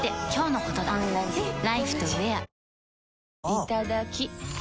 いただきっ！